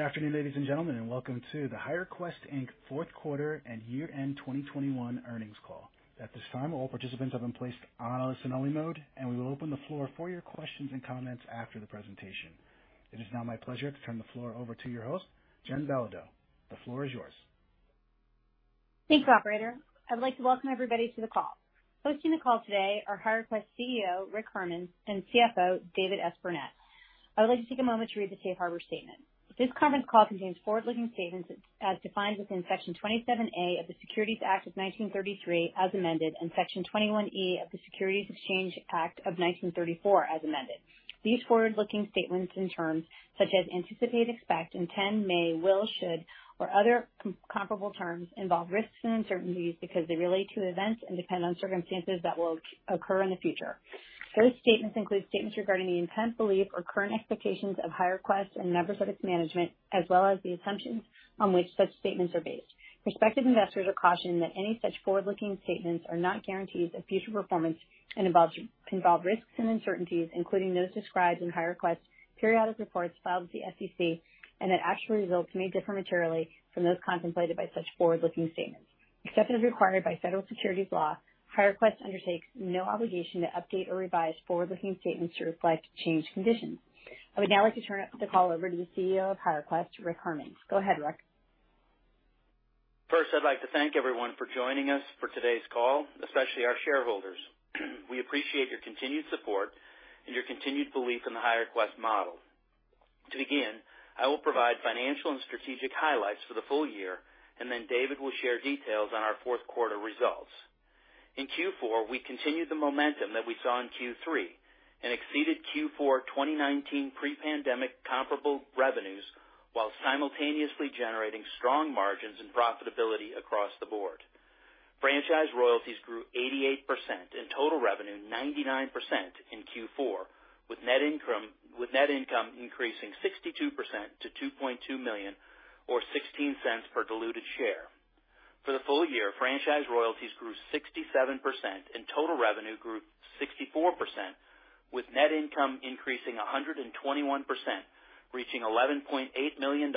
Good afternoon, ladies and gentlemen, and welcome to the HireQuest, Inc. fourth quarter and year-end 2021 earnings call. At this time, all participants have been placed on a listen only mode, and we will open the floor for your questions and comments after the presentation. It is now my pleasure to turn the floor over to your host, Jen Belodeau. The floor is yours. Thanks, operator. I'd like to welcome everybody to the call. Hosting the call today are HireQuest CEO, Rick Hermanns, and CFO, David S. Burnett. I would like to take a moment to read the safe harbor statement. This conference call contains forward-looking statements as defined within Section 27A of the Securities Act of 1933 as amended, and Section 21E of the Securities Exchange Act of 1934 as amended. These forward-looking statements and terms such as anticipate, expect, intend, may, will, should, or other comparable terms involve risks and uncertainties because they relate to events and depend on circumstances that will occur in the future. Such statements include statements regarding the intent, belief, or current expectations of HireQuest and members of its management, as well as the assumptions on which such statements are based. Prospective investors are cautioned that any such forward-looking statements are not guarantees of future performance and can involve risks and uncertainties, including those described in HireQuest periodic reports filed with the SEC, and that actual results may differ materially from those contemplated by such forward-looking statements. Except as required by federal securities law, HireQuest undertakes no obligation to update or revise forward-looking statements to reflect changed conditions. I would now like to turn the call over to the CEO of HireQuest, Rick Hermanns. Go ahead, Rick. First, I'd like to thank everyone for joining us for today's call, especially our shareholders. We appreciate your continued support and your continued belief in the HireQuest model. To begin, I will provide financial and strategic highlights for the full year, and then David will share details on our fourth quarter results. In Q4, we continued the momentum that we saw in Q3 and exceeded Q4 2019 pre-pandemic comparable revenues while simultaneously generating strong margins and profitability across the board. Franchise royalties grew 88% and total revenue 99% in Q4, with net income increasing 62% to $2.2 million or $0.16 per diluted share. For the full year, franchise royalties grew 67% and total revenue grew 64%, with net income increasing 121%, reaching $11.8 million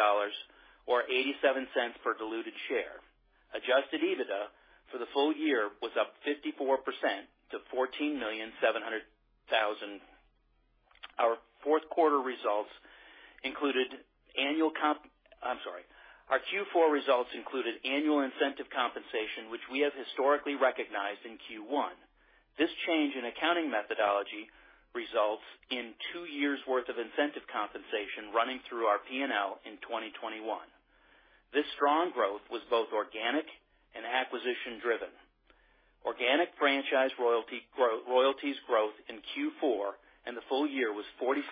or $0.87 per diluted share. Adjusted EBITDA for the full year was up 54% to $14.7 million. Our Q4 results included annual incentive compensation, which we have historically recognized in Q1. This change in accounting methodology results in two years' worth of incentive compensation running through our P&L in 2021. This strong growth was both organic and acquisition driven. Organic franchise royalties growth in Q4 and the full year was 47%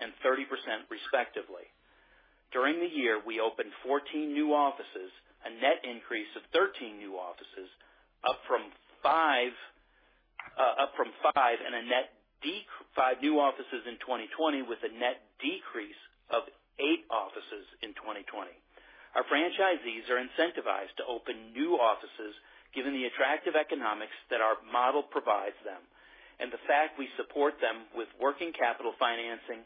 and 30% respectively. During the year, we opened 14 new offices, a net increase of 13 new offices, up from five new offices in 2020, with a net decrease of eight offices in 2020. Our franchisees are incentivized to open new offices given the attractive economics that our model provides them and the fact we support them with working capital financing,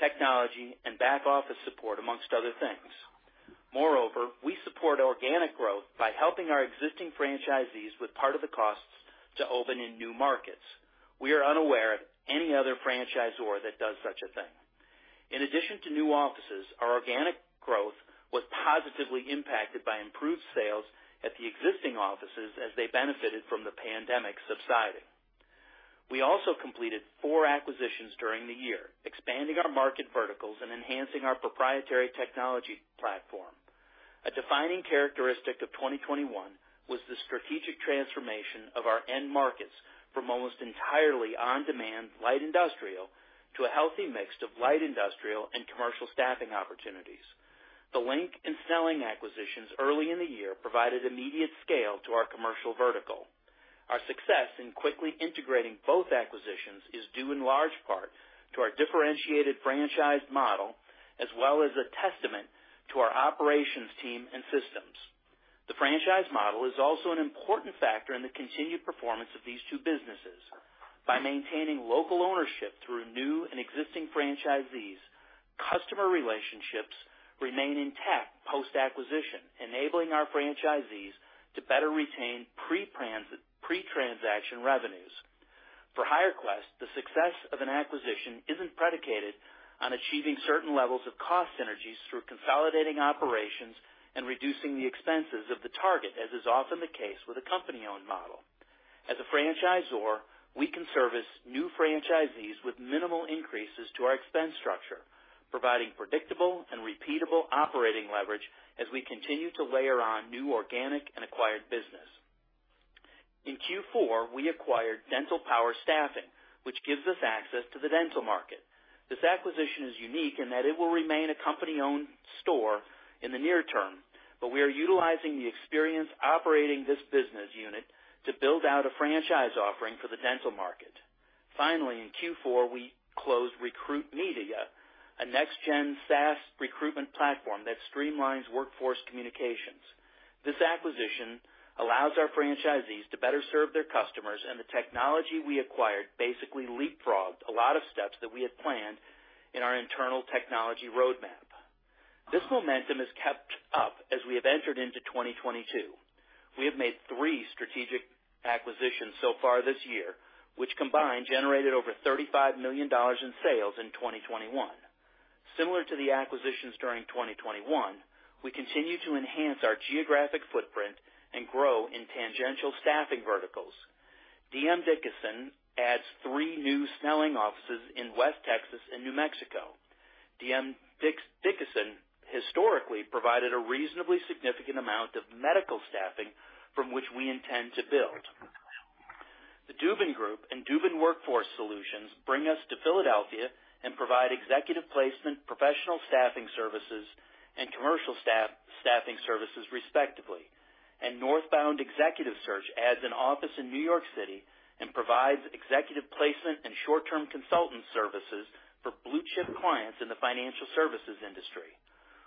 technology, and back office support, amongst other things. Moreover, we support organic growth by helping our existing franchisees with part of the costs to open in new markets. We are unaware of any other franchisor that does such a thing. In addition to new offices, our organic growth was positively impacted by improved sales at the existing offices as they benefited from the pandemic subsiding. We also completed four acquisitions during the year, expanding our market verticals and enhancing our proprietary technology platform. A defining characteristic of 2021 was the strategic transformation of our end markets from almost entirely on-demand light industrial to a healthy mix of light industrial and commercial staffing opportunities. The LINK and Snelling acquisitions early in the year provided immediate scale to our commercial vertical. Our success in quickly integrating both acquisitions is due in large part to our differentiated franchise model as well as a testament to our operations team and systems. The franchise model is also an important factor in the continued performance of these two businesses. By maintaining local ownership through new and existing franchisees, customer relationships remain intact post-acquisition, enabling our franchisees to better retain pre-transaction revenues. For HireQuest, the success of an acquisition isn't predicated on achieving certain levels of cost synergies through consolidating operations and reducing the expenses of the target, as is often the case with a company-owned model. As a franchisor, we can service new franchisees with minimal increases to our expense structure, providing predictable and repeatable operating leverage as we continue to layer on new organic and acquired business. In Q4, we acquired Dental Power Staffing, which gives us access to the dental market. This acquisition is unique in that it will remain a company-owned store in the near term, but we are utilizing the experience operating this business unit to build out a franchise offering for the dental market. Finally, in Q4, we closed Recruit Media, a next gen SaaS recruitment platform that streamlines workforce communications. This acquisition allows our franchisees to better serve their customers, and the technology we acquired basically leapfrogged a lot of steps that we had planned in our internal technology roadmap. This momentum is kept up as we have entered into 2022. We have made three strategic acquisitions so far this year, which combined generated over $35 million in sales in 2021. Similar to the acquisitions during 2021, we continue to enhance our geographic footprint and grow in tangential staffing verticals. dmDickason adds three new Snelling offices in West Texas and New Mexico. dmDickason historically provided a reasonably significant amount of medical staffing from which we intend to build. The Dubin Group and Dubin Workforce Solutions bring us to Philadelphia and provide executive placement, professional staffing services, and commercial staffing services, respectively. Northbound Executive Search adds an office in New York City and provides executive placement and short-term consultant services for blue chip clients in the financial services industry.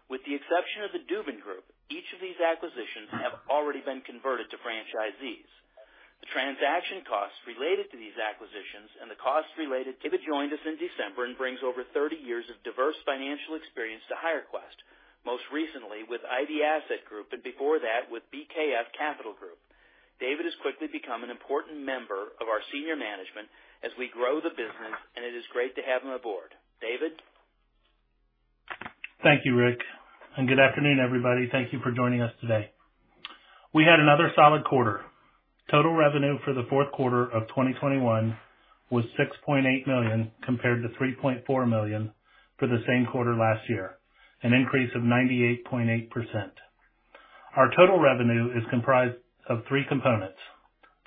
With the exception of the Dubin Group, each of these acquisitions have already been converted to franchisees. David joined us in December and brings over 30 years of diverse financial experience to HireQuest, most recently with Ivy Asset Group, and before that with BKF Capital Group. David has quickly become an important member of our senior management as we grow the business, and it is great to have him aboard. David? Thank you, Rick, and good afternoon, everybody. Thank you for joining us today. We had another solid quarter. Total revenue for the fourth quarter of 2021 was $6.8 million compared to $3.4 million for the same quarter last year, an increase of 98.8%. Our total revenue is comprised of three components.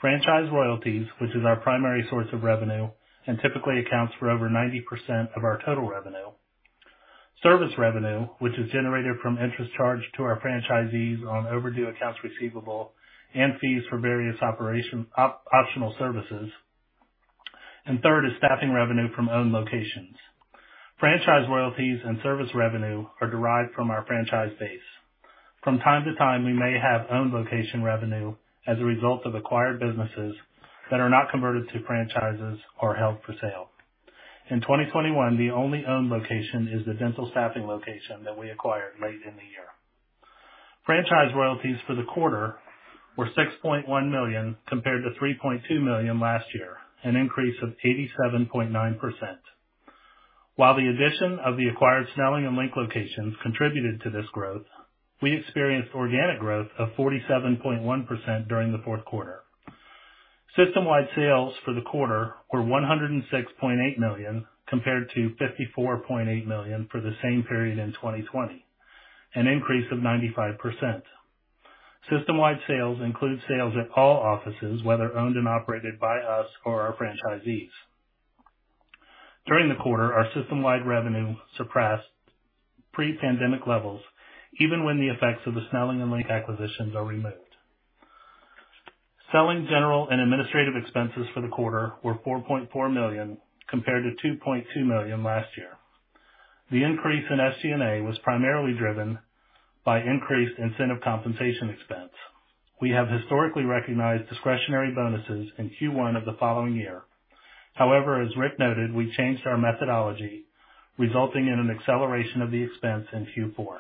Franchise royalties, which is our primary source of revenue and typically accounts for over 90% of our total revenue. Service revenue, which is generated from interest charged to our franchisees on overdue accounts receivable and fees for various optional services. Third is staffing revenue from owned locations. Franchise royalties and service revenue are derived from our franchise base. From time to time, we may have owned location revenue as a result of acquired businesses that are not converted to franchises or held for sale. In 2021, the only owned location is the dental staffing location that we acquired late in the year. Franchise royalties for the quarter were $6.1 million compared to $3.2 million last year, an increase of 87.9%. While the addition of the acquired Snelling and Link locations contributed to this growth, we experienced organic growth of 47.1% during the fourth quarter. System-wide sales for the quarter were $106.8 million compared to $54.8 million for the same period in 2020, an increase of 95%. System-wide sales include sales at all offices, whether owned and operated by us or our franchisees. During the quarter, our system-wide revenue surpassed pre-pandemic levels, even when the effects of the Snelling and LINK acquisitions are removed. Selling, general and administrative expenses for the quarter were $4.4 million, compared to $2.2 million last year. The increase in SG&A was primarily driven by increased incentive compensation expense. We have historically recognized discretionary bonuses in Q1 of the following year. However, as Rick noted, we changed our methodology, resulting in an acceleration of the expense in Q4.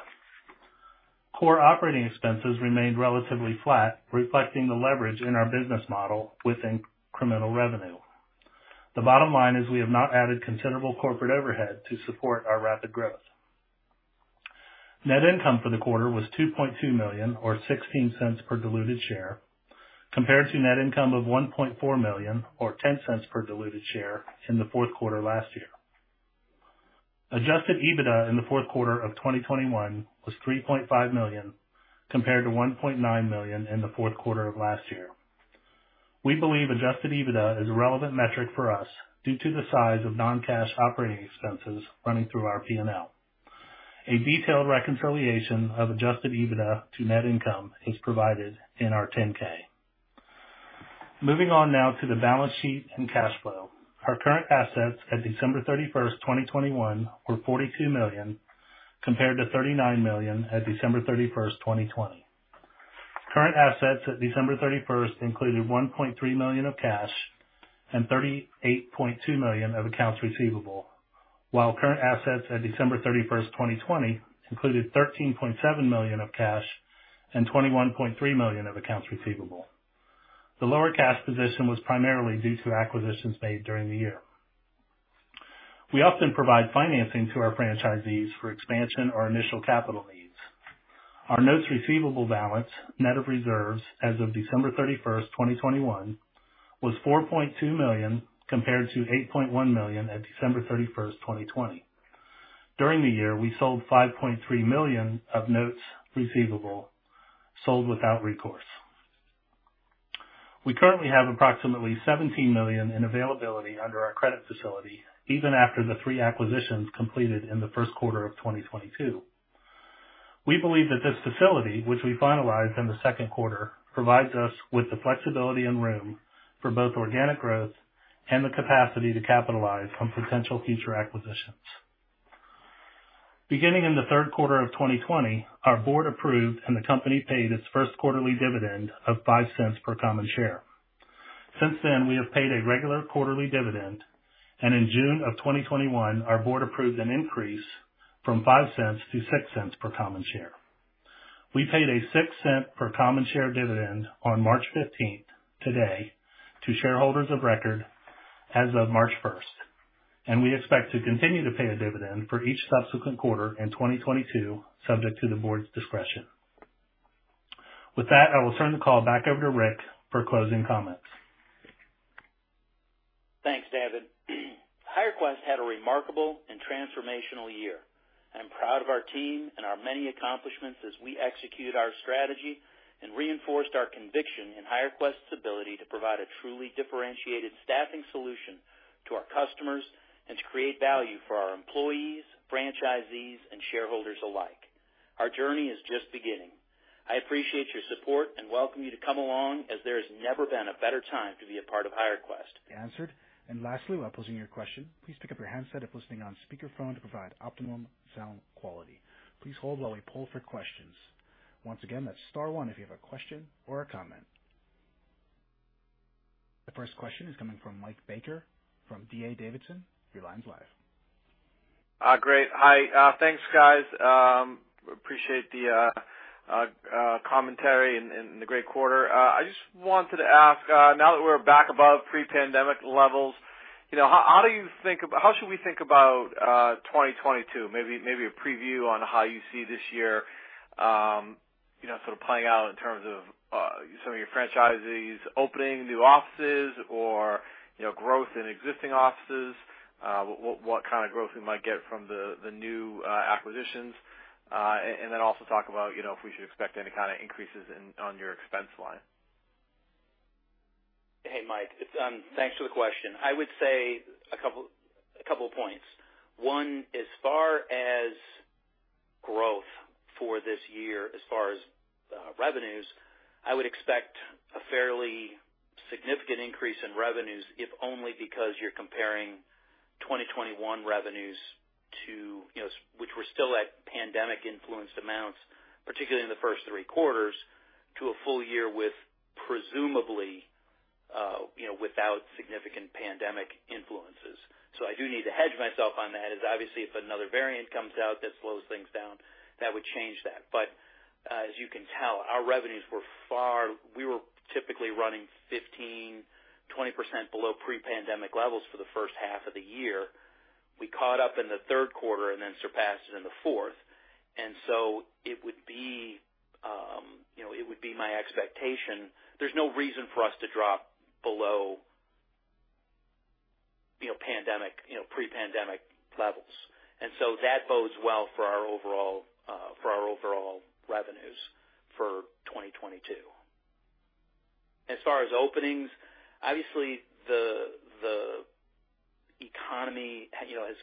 Core operating expenses remained relatively flat, reflecting the leverage in our business model with incremental revenue. The bottom line is we have not added considerable corporate overhead to support our rapid growth. Net income for the quarter was $2.2 million or $0.16 per diluted share, compared to net income of $1.4 million or $0.10 per diluted share in the fourth quarter last year. Adjusted EBITDA in the fourth quarter of 2021 was $3.5 million, compared to $1.9 million in the fourth quarter of last year. We believe adjusted EBITDA is a relevant metric for us due to the size of non-cash operating expenses running through our P&L. A detailed reconciliation of adjusted EBITDA to net income is provided in our 10-K. Moving on now to the balance sheet and cash flow. Our current assets at December 31, 2021, were $42 million, compared to $39 million at December 31, 2020. Current assets at December 31, 2021 included $1.3 million of cash and $38.2 million of accounts receivable, while current assets at December 31, 2020, included $13.7 million of cash and $21.3 million of accounts receivable. The lower cash position was primarily due to acquisitions made during the year. We often provide financing to our franchisees for expansion or initial capital needs. Our notes receivable balance, net of reserves as of December 31, 2021, was $4.2 million, compared to $8.1 million at December 31, 2020. During the year, we sold $5.3 million of notes receivable, sold without recourse. We currently have approximately $17 million in availability under our credit facility, even after the three acquisitions completed in the first quarter of 2022. We believe that this facility, which we finalized in the second quarter, provides us with the flexibility and room for both organic growth and the capacity to capitalize on potential future acquisitions. Beginning in the third quarter of 2020, our board approved and the company paid its first quarterly dividend of $0.05 per common share. Since then, we have paid a regular quarterly dividend, and in June 2021, our board approved an increase from $0.05-$0.06 per common share. We paid a $0.06 per common share dividend on March fifteenth, today, to shareholders of record as of March first, and we expect to continue to pay a dividend for each subsequent quarter in 2022, subject to the board's discretion. With that, I will turn the call back over to Rick for closing comments. Thanks, David. HireQuest had a remarkable and transformational year. I am proud of our team and our many accomplishments as we execute our strategy and reinforced our conviction in HireQuest's ability to provide a truly differentiated staffing solution to our customers and to create value for our employees, franchisees, and shareholders alike. Our journey is just beginning. I appreciate your support and welcome you to come along as there has never been a better time to be a part of HireQuest. Answered. Lastly, while posing your question, please pick up your handset if listening on speakerphone to provide optimum sound quality. Please hold while we poll for questions. Once again, that's star one if you have a question or a comment. The first question is coming from Mike Baker from D.A. Davidson. Your line's live. Great. Hi. Thanks, guys. Appreciate the commentary and the great quarter. I just wanted to ask, now that we're back above pre-pandemic levels, you know, how should we think about 2022? Maybe a preview on how you see this year, you know, sort of playing out in terms of some of your franchisees opening new offices or, you know, growth in existing offices, what kind of growth we might get from the new acquisitions. And then also talk about, you know, if we should expect any kind of increases on your expense line. Hey, Mike. Thanks for the question. I would say a couple of points. One, as far as growth for this year, as far as revenues, I would expect a fairly significant increase in revenues, if only because you're comparing 2021 revenues to, you know, which were still at pandemic influenced amounts, particularly in the first three quarters, to a full year with presumably, you know, without significant pandemic influences. I do need to hedge myself on that, as obviously if another variant comes out that slows things down, that would change that. As you can tell, we were typically running 15%-20% below pre-pandemic levels for the first half of the year. We caught up in the third quarter and then surpassed it in the fourth. It would be, you know, it would be my expectation. There's no reason for us to drop below, you know, pandemic, you know, pre-pandemic levels. That bodes well for our overall revenues for 2022. As far as openings, obviously the economy, you know, has.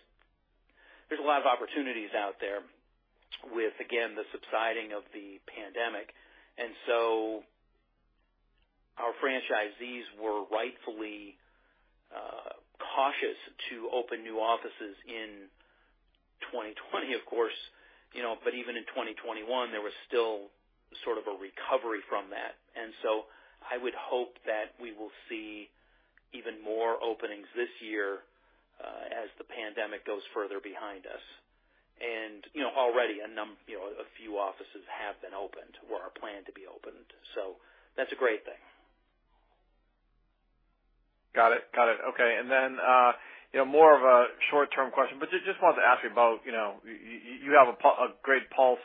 There's a lot of opportunities out there with, again, the subsiding of the pandemic. Our franchisees were rightfully cautious to open new offices in 2020, of course, you know. Even in 2021, there was still sort of a recovery from that. I would hope that we will see even more openings this year as the pandemic goes further behind us. You know, already a few offices have been opened or are planned to be opened. That's a great thing. Got it. Okay. You know, more of a short-term question, but just wanted to ask you about, you know, you have a great pulse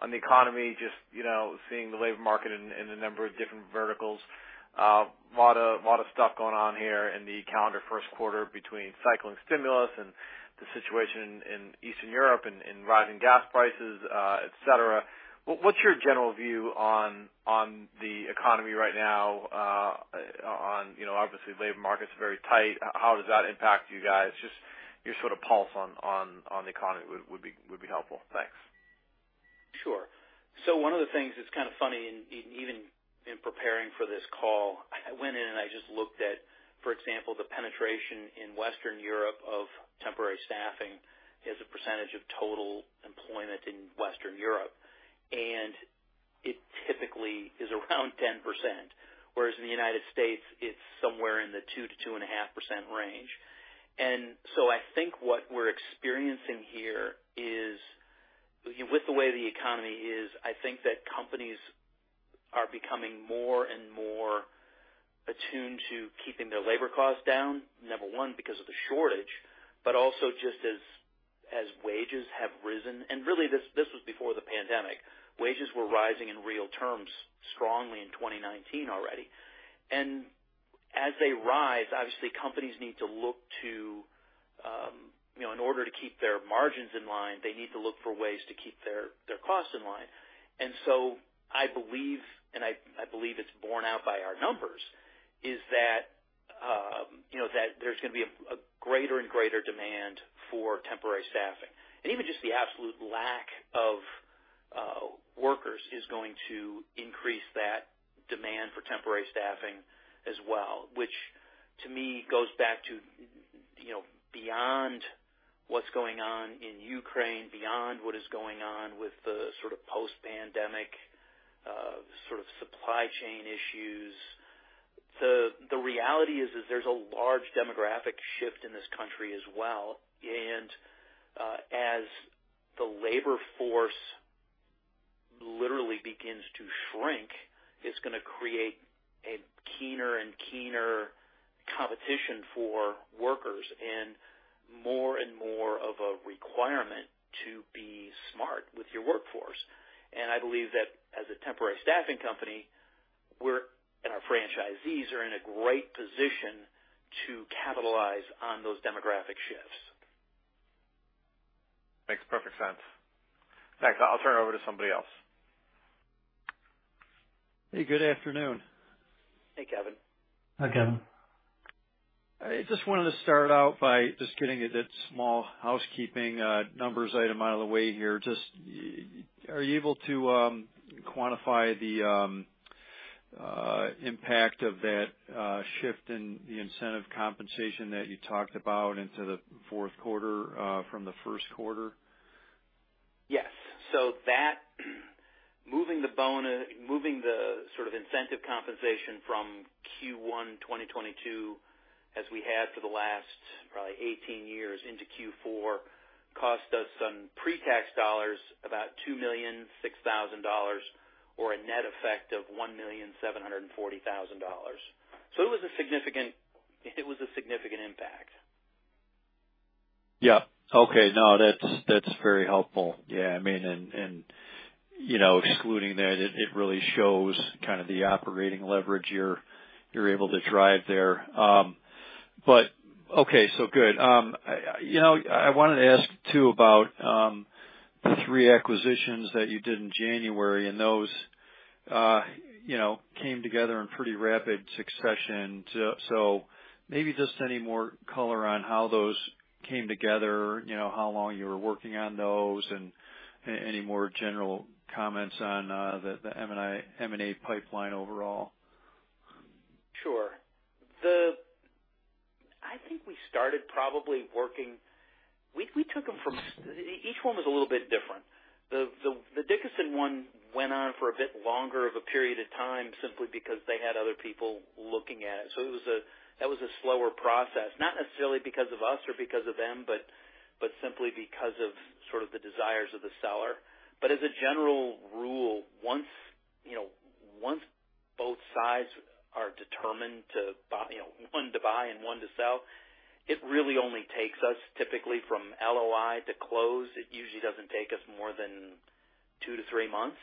on the economy, just you know, seeing the labor market in a number of different verticals. Lot of stuff going on here in the calendar first quarter between cycling stimulus and the situation in Eastern Europe and rising gas prices, et cetera. What's your general view on the economy right now, you know, obviously labor market's very tight. How does that impact you guys? Just your sort of pulse on the economy would be helpful. Thanks. Sure. One of the things that's kind of funny, and even in preparing for this call, I went in and I just looked at, for example, the penetration in Western Europe of temporary staffing as a percentage of total employment in Western Europe. It typically is around 10%, whereas in the United States it's somewhere in the 2%-2.5% range. I think what we're experiencing here is, with the way the economy is, I think that companies are becoming more and more attuned to keeping their labor costs down, number one, because of the shortage, but also just as wages have risen. Really, this was before the pandemic. Wages were rising in real terms strongly in 2019 already. As they rise, obviously companies need to look to, you know, in order to keep their margins in line, they need to look for ways to keep their costs in line. I believe it's borne out by our numbers that, you know, there's gonna be a greater and greater demand for temporary staffing. Even just the absolute lack of workers is going to increase that demand for temporary staffing as well, which to me goes back to, you know, beyond what's going on in Ukraine, beyond what is going on with the sort of post-pandemic, sort of supply chain issues. The reality is there's a large demographic shift in this country as well. As the labor force literally begins to shrink, it's gonna create a keener and keener competition for workers and more and more of a requirement to be smart with your workforce. I believe that as a temporary staffing company, and our franchisees are in a great position to capitalize on those demographic shifts. Makes perfect sense. In fact, I'll turn it over to somebody else. Hey, good afternoon. Hey, Kevin. Hi, Kevin. I just wanted to start out by just getting a small housekeeping numbers item out of the way here. Are you able to quantify the impact of that shift in the incentive compensation that you talked about into the fourth quarter from the first quarter? Yes. That, moving the sort of incentive compensation from Q1 2022, as we had for the last probably 18 years into Q4, cost us some pre-tax dollars, about $2,006,000, or a net effect of $1,740,000. It was a significant impact. Yeah. Okay. No, that's very helpful. Yeah, I mean, you know, excluding that, it really shows kind of the operating leverage you're able to drive there. Okay. Good. You know, I wanted to ask too about the three acquisitions that you did in January and those, you know, came together in pretty rapid succession. Maybe just any more color on how those came together, you know, how long you were working on those, and any more general comments on the M&A pipeline overall. Sure. I think we started probably working. Each one was a little bit different. The dmDickason one went on for a bit longer of a period of time simply because they had other people looking at it. It was a slower process. Not necessarily because of us or because of them, but simply because of sort of the desires of the seller. As a general rule, once, you know, once both sides are determined to buy, you know, one to buy and one to sell, it really only takes us typically from LOI to close. It usually doesn't take us more than two to three months.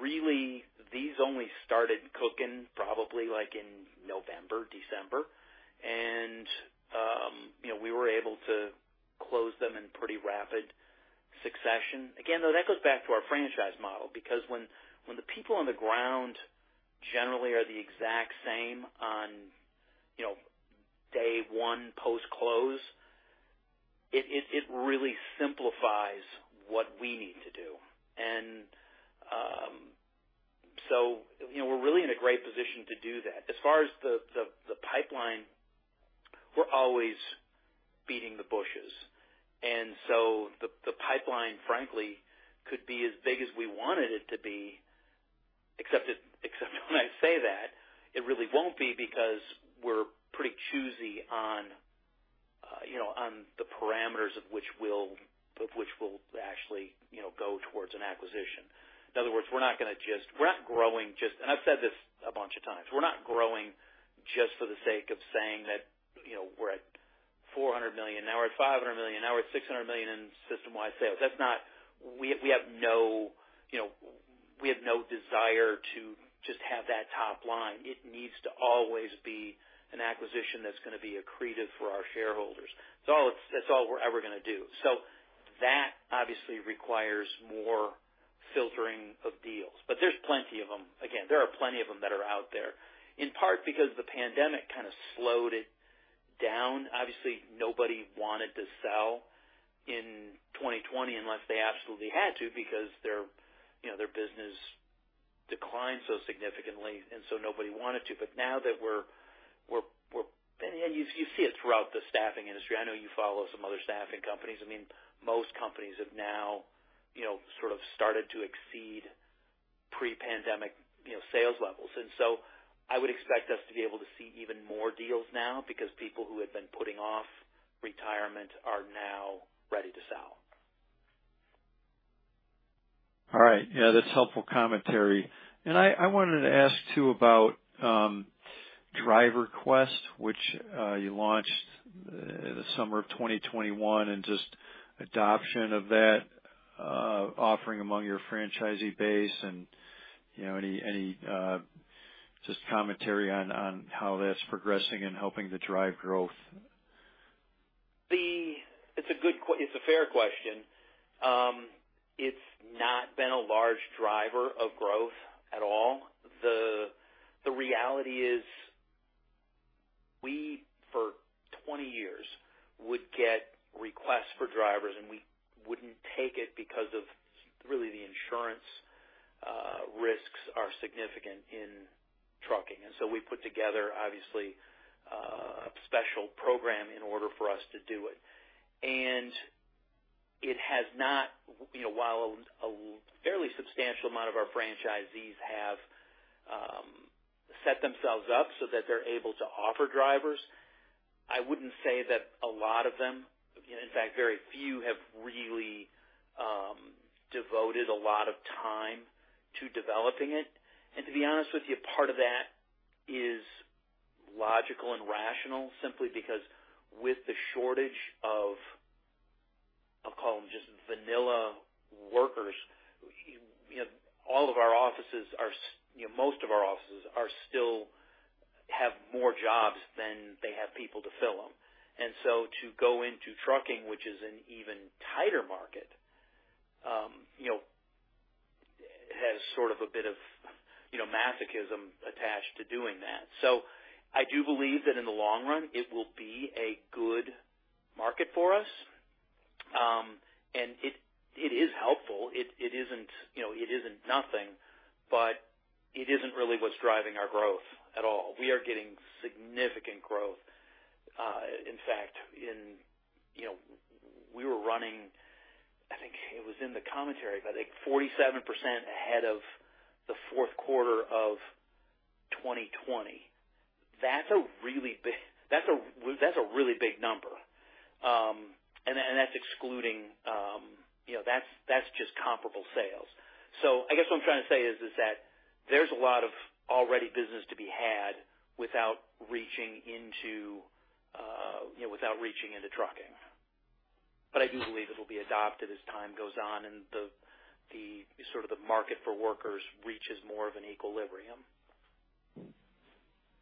Really, these only started cooking probably like in November, December. You know, we were able to close them in pretty rapid succession. Again, though, that goes back to our franchise model, because when the people on the ground generally are the exact same on, you know, day one post-close, it really simplifies what we need to do. You know, we're really in a great position to do that. As far as the pipeline, we're always beating the bushes. The pipeline, frankly, could be as big as we wanted it to be. Except when I say that, it really won't be because we're pretty choosy on, you know, on the parameters of which we'll actually, you know, go towards an acquisition. In other words, I've said this a bunch of times, we're not growing just for the sake of saying that, you know, we're at $400 million, now we're at $500 million, now we're at $600 million in system-wide sales. That's not. We have no, you know, desire to just have that top line. It needs to always be an acquisition that's gonna be accretive for our shareholders. That's all we're ever gonna do. That obviously requires more filtering of deals. There's plenty of them. Again, there are plenty of them that are out there, in part because the pandemic kind of slowed it down. Obviously, nobody wanted to sell in 2020 unless they absolutely had to because their, you know, their business declined so significantly, and so nobody wanted to. Now that we're you see it throughout the staffing industry. I know you follow some other staffing companies. I mean, most companies have now, you know, sort of started to exceed pre-pandemic, you know, sales levels. I would expect us to be able to see even more deals now because people who had been putting off retirement are now ready to sell. All right. Yeah, that's helpful commentary. I wanted to ask too about DriverQuest, which you launched the summer of 2021, and just adoption of that offering among your franchisee base and, you know, any just commentary on how that's progressing and helping to drive growth? It's a fair question. It's not been a large driver of growth at all. The reality is 20 years we would get requests for drivers, and we wouldn't take it because the insurance risks are really significant in trucking. We put together, obviously, a special program in order for us to do it. It has not, you know, while a fairly substantial amount of our franchisees have set themselves up so that they're able to offer drivers. I wouldn't say that a lot of them, you know, in fact, very few have really devoted a lot of time to developing it. To be honest with you, part of that is logical and rational simply because with the shortage of, I'll call them just vanilla workers, you know, most of our offices still have more jobs than they have people to fill them. To go into trucking, which is an even tighter market, you know, has sort of a bit of masochism attached to doing that. I do believe that in the long run, it will be a good market for us. It is helpful. It isn't, you know, it isn't nothing, but it isn't really what's driving our growth at all. We are getting significant growth, in fact, you know... We were running, I think it was in the commentary, but I think 47% ahead of the fourth quarter of 2020. That's a really big number. And that's excluding, you know, that's just comparable sales. I guess what I'm trying to say is that there's a lot of ready business to be had without reaching into, you know, without reaching into trucking. But I do believe it will be adopted as time goes on and the sort of market for workers reaches more of an equilibrium.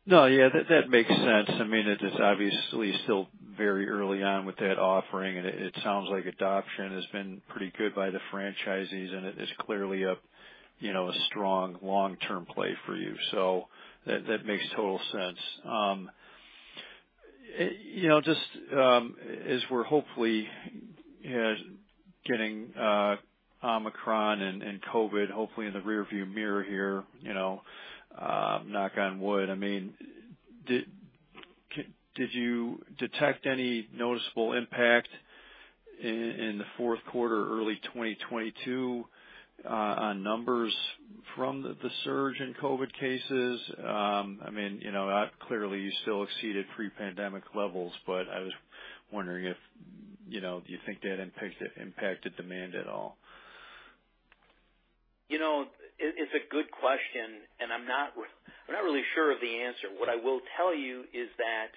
No, yeah, that makes sense. I mean, it is obviously still very early on with that offering, and it sounds like adoption has been pretty good by the franchisees, and it is clearly a strong long-term play for you. That makes total sense. You know, just as we're hopefully getting Omicron and COVID, hopefully in the rearview mirror here, you know, knock on wood, I mean, did you detect any noticeable impact in the fourth quarter, early 2022, on numbers from the surge in COVID cases? I mean, you know, clearly you still exceeded pre-pandemic levels, but I was wondering if, you know, do you think that impacted demand at all? You know, it's a good question, and I'm not really sure of the answer. What I will tell you is that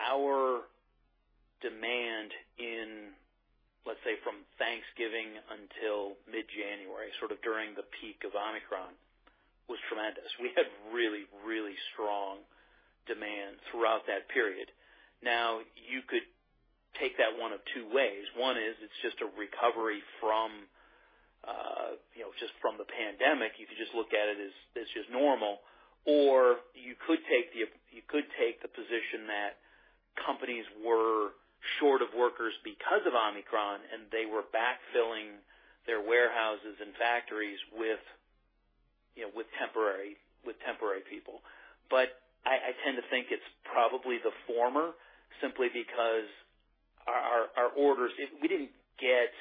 our demand in, let's say, from Thanksgiving until mid-January, sort of during the peak of Omicron, was tremendous. We had really strong demand throughout that period. Now, you could take that one of two ways. One is it's just a recovery from, you know, just from the pandemic. You could just look at it as it's just normal. Or you could take the position that companies were short of workers because of Omicron, and they were backfilling their warehouses and factories with, you know, with temporary people. I tend to think it's probably the former, simply because our orders. We didn't get,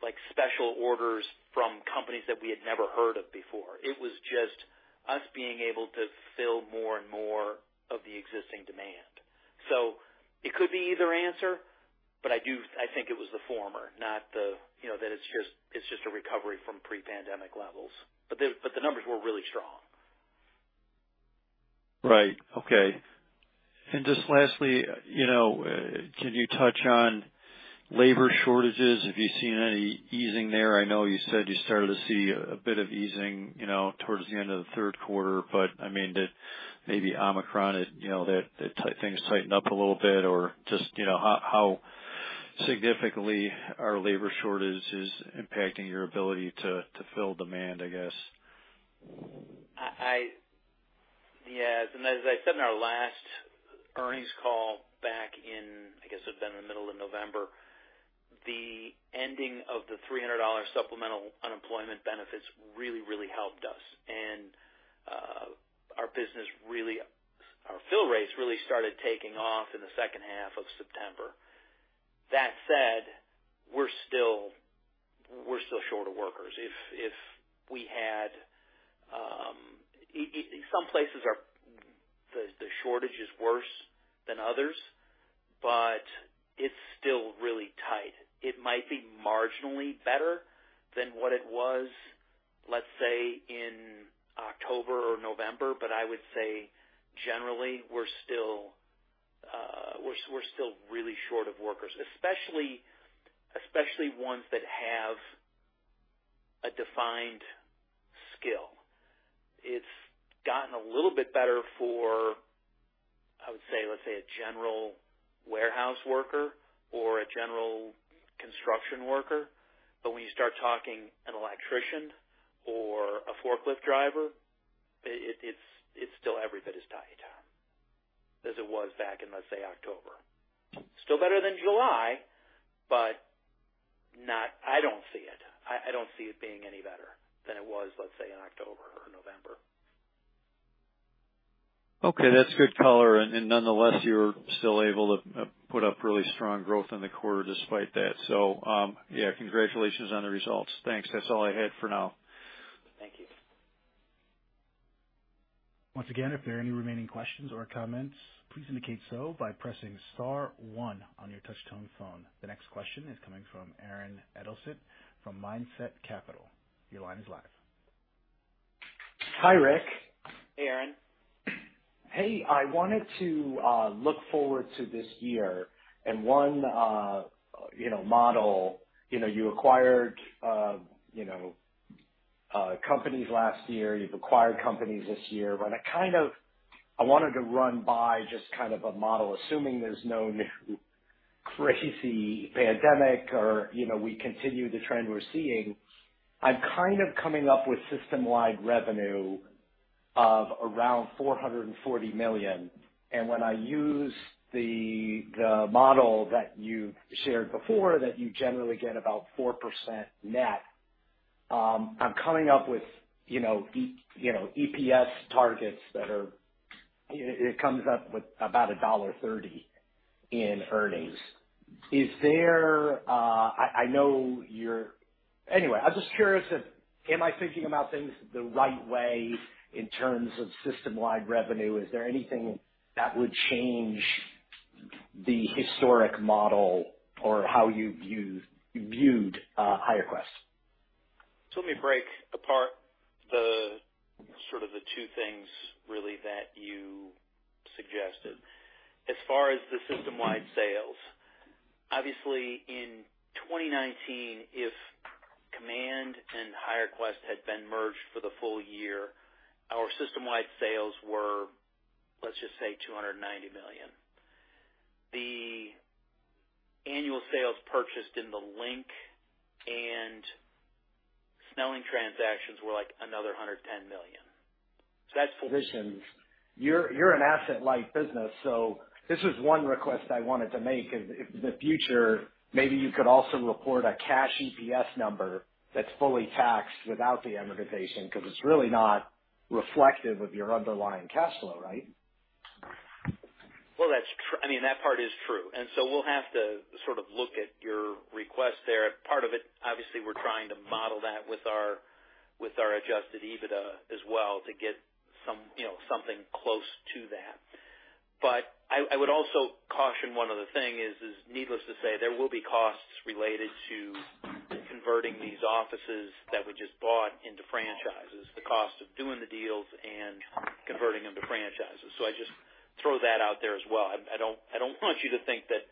like, special orders from companies that we had never heard of before. It was just us being able to fill more and more of the existing demand. It could be either answer, but I do, I think it was the former, not the, you know, that it's just a recovery from pre-pandemic levels. The numbers were really strong. Right. Okay. Just lastly, you know, can you touch on labor shortages? Have you seen any easing there? I know you said you started to see a bit of easing, you know, towards the end of the third quarter. But, I mean, did maybe Omicron, you know, that things tightened up a little bit or just, you know, how significantly are labor shortages impacting your ability to fill demand, I guess? Yes, as I said in our last earnings call back in, I guess it would've been in the middle of November, the ending of the $300 supplemental unemployment benefits really helped us. Our business really, our fill rates really started taking off in the second half of September. That said, we're still short of workers. If we had some places, the shortage is worse than others, but it's still really tight. It might be marginally better than what it was, let's say, in October or November, but I would say generally we're still really short of workers, especially ones that have a defined skill. It's gotten a little bit better for, I would say, let's say a general warehouse worker or a general construction worker, but when you start talking about an electrician or a forklift driver, it's still every bit as tight as it was back in, let's say, October. Still better than July, but I don't see it. I don't see it being any better than it was, let's say, in October or November. Okay, that's good color. Nonetheless, you're still able to put up really strong growth in the quarter despite that. Yeah, congratulations on the results. Thanks. That's all I had for now. Thank you. Once again, if there are any remaining questions or comments, please indicate so by pressing star one on your touchtone phone. The next question is coming from Aaron Edelheit from Mindset Capital. Your line is live. Hi, Rick. Hey, Aaron. Hey, I wanted to look forward to this year and run a model. You know, you acquired companies last year. You've acquired companies this year. I wanted to run by just kind of a model, assuming there's no new crazy pandemic or, you know, we continue the trend we're seeing. I'm coming up with system-wide revenue of around $440 million, and when I use the model that you've shared before that you generally get about 4% net, I'm coming up with, you know, EPS targets. It comes up with about $1.30 in earnings. I'm just curious if I'm thinking about things the right way in terms of system-wide revenue? Is there anything that would change the historic model or how you viewed HireQuest? Let me break apart sort of the two things really that you suggested. As far as the system-wide sales, obviously in 2019, if Command and HireQuest had been merged for the full year, our system-wide sales were, let's just say, $290 million. The annual sales purchased in the Link and Snelling transactions were like another $110 million. You're an asset-light business, so this is one request I wanted to make. In the future, maybe you could also report a cash EPS number that's fully taxed without the amortization, because it's really not reflective of your underlying cash flow, right? Well, I mean, that part is true. We'll have to sort of look at your request there. Part of it, obviously, we're trying to model that with our adjusted EBITDA as well to get some, you know, something close to that. I would also caution one other thing is needless to say, there will be costs related to converting these offices that we just bought into franchises, the cost of doing the deals and converting them to franchises. I just throw that out there as well. I don't want you to think that,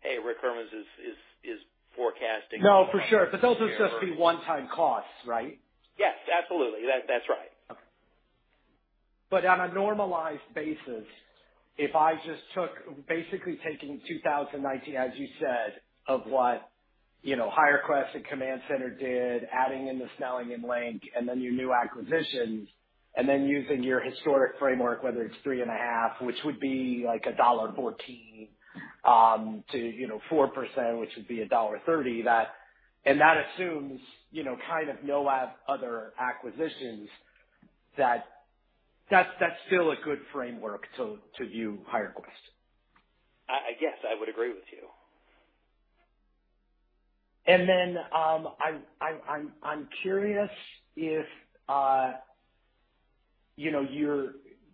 hey, Rick Hermanns is forecasting- No, for sure, but those are supposed to be one-time costs, right? Yes, absolutely. That's right. Okay. On a normalized basis, if I basically took 2019, as you said of what, you know, HireQuest and Command Center did, adding in the Snelling and Link and then your new acquisitions, and then using your historic framework, whether it's 3.5, which would be like $1.14, to, you know, 4%, which would be $1.30, that assumes, you know, kind of no other acquisitions, that's still a good framework to view HireQuest. Yes, I would agree with you. I'm curious if you know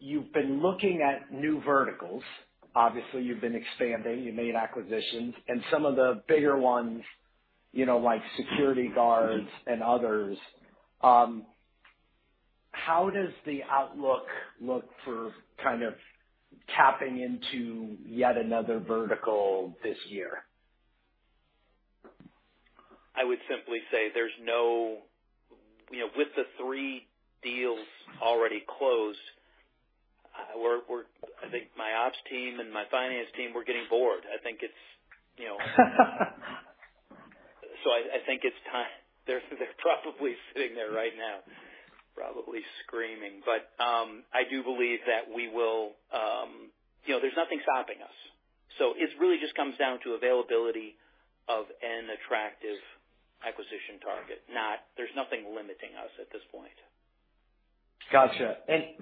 you've been looking at new verticals. Obviously, you've been expanding, you made acquisitions and some of the bigger ones, you know, like security guards and others. How does the outlook look for kind of tapping into yet another vertical this year? I would simply say there's no. You know, with the three deals already closed, I think my ops team and my finance team were getting bored. I think it's time. They're probably sitting there right now, probably screaming. I do believe that we will. You know, there's nothing stopping us. It really just comes down to availability of an attractive acquisition target. There's nothing limiting us at this point. Gotcha.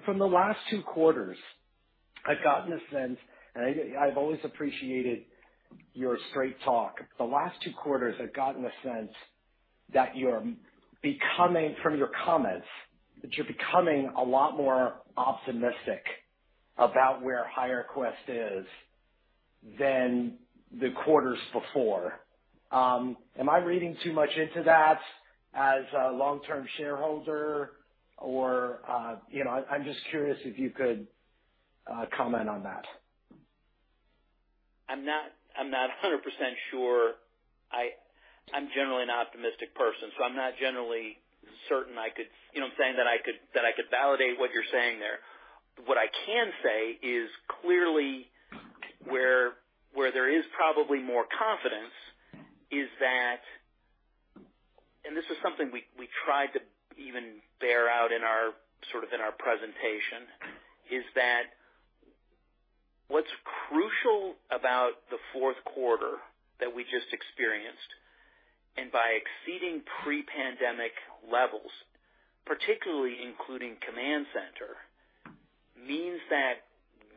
From the last two quarters, I've gotten a sense, and I've always appreciated your straight talk. The last two quarters, I've gotten a sense that you're becoming, from your comments, a lot more optimistic about where HireQuest is than the quarters before. Am I reading too much into that as a long-term shareholder or, you know. I'm just curious if you could comment on that. I'm not 100% sure. I'm generally an optimistic person, so I'm not generally certain I could validate what you're saying there. You know what I'm saying? What I can say is clearly where there is probably more confidence is that this is something we tried to even bear out in our, sort of in our presentation, is that what's crucial about the fourth quarter that we just experienced, and by exceeding pre-pandemic levels, particularly including Command Center, means that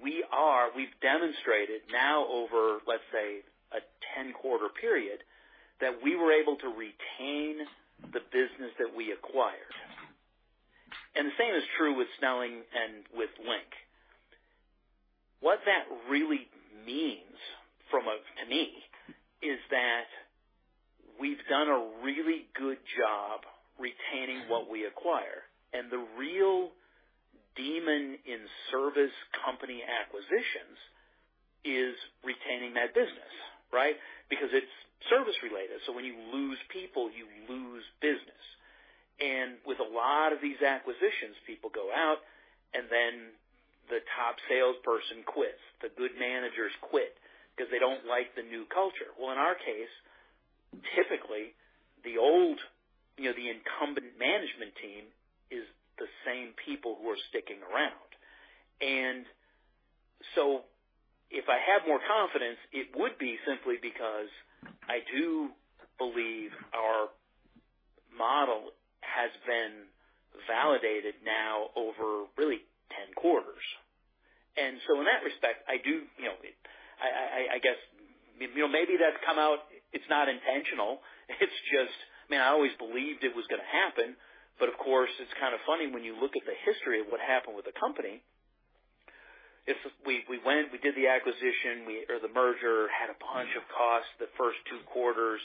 we've demonstrated now over, let's say, a 10-quarter period, that we were able to retain the business that we acquired. The same is true with Snelling and with LINK. What that really means to me is that we've done a really good job retaining what we acquire. The real demon in service company acquisitions is retaining that business, right? Because it's service related, so when you lose people, you lose business. With a lot of these acquisitions, people go out, and then the top salesperson quits, the good managers quit because they don't like the new culture. Well, in our case, typically, the old, you know, the incumbent management team is the same people who are sticking around. If I have more confidence, it would be simply because I do believe our model has been validated now over really 10 quarters. In that respect, I do, you know, I guess, you know, maybe that's come out, it's not intentional. It's just, I mean, I always believed it was gonna happen. Of course, it's kind of funny when you look at the history of what happened with the company. We went, we did the acquisition or the merger, had a bunch of costs the first two quarters.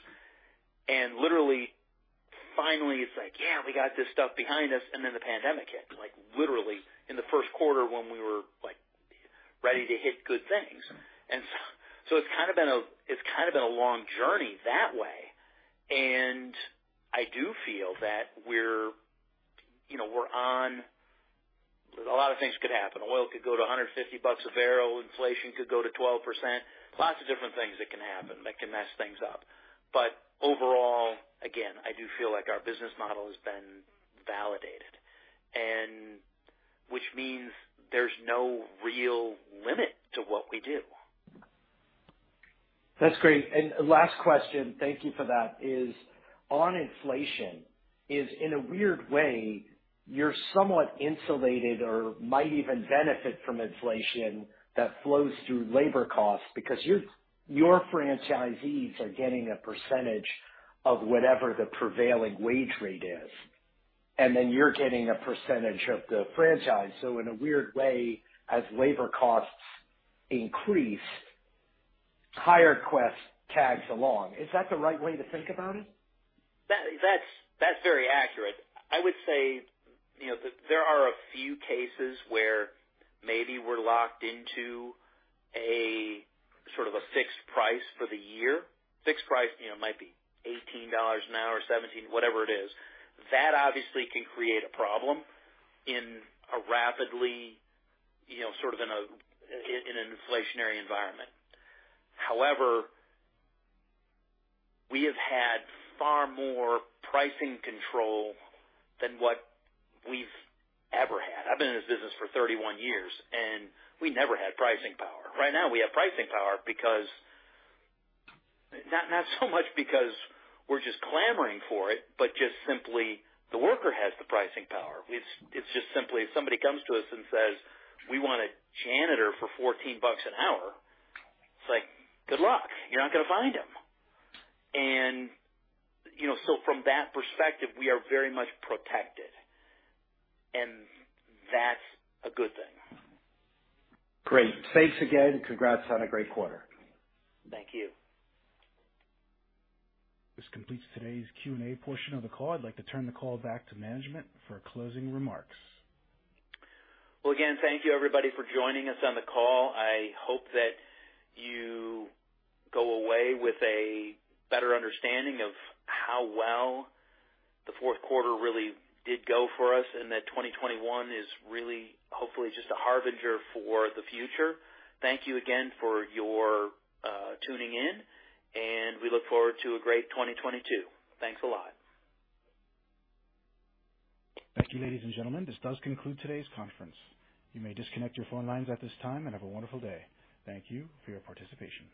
Literally finally it's like, yeah, we got this stuff behind us, and then the pandemic hit, like literally in the first quarter when we were like ready to hit good things. It's kind of been a long journey that way. I do feel that we're, you know, on. A lot of things could happen. Oil could go to $150 a barrel. Inflation could go to 12%. Lots of different things that can happen that can mess things up. Overall, again, I do feel like our business model has been validated. Which means there's no real limit to what we do. That's great. Last question, thank you for that, is on inflation. Is it in a weird way, you're somewhat insulated or might even benefit from inflation that flows through labor costs because your franchisees are getting a percentage of whatever the prevailing wage rate is, and then you're getting a percentage of the franchise. In a weird way, as labor costs increase, HireQuest tags along. Is that the right way to think about it? That's very accurate. I would say, you know, there are a few cases where maybe we're locked into a sort of a fixed price for the year. Fixed price, you know, might be $18 an hour, $17, whatever it is. That obviously can create a problem in a rapidly, you know, sort of in an inflationary environment. However, we have had far more pricing control than what we've ever had. I've been in this business for 31 years, and we never had pricing power. Right now we have pricing power. Not so much because we're just clamoring for it, but just simply the worker has the pricing power. It's just simply if somebody comes to us and says, "We want a janitor for $14 an hour," it's like, "Good luck. You're not gonna find him." You know, so from that perspective, we are very much protected. That's a good thing. Great. Thanks again. Congrats on a great quarter. Thank you. This completes today's Q&A portion of the call. I'd like to turn the call back to management for closing remarks. Well, again, thank you everybody for joining us on the call. I hope that you go away with a better understanding of how well the fourth quarter really did go for us, and that 2021 is really hopefully just a harbinger for the future. Thank you again for your tuning in, and we look forward to a great 2022. Thanks a lot. Thank you, ladies and gentlemen. This does conclude today's conference. You may disconnect your phone lines at this time and have a wonderful day. Thank you for your participation.